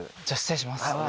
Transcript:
じゃ失礼します。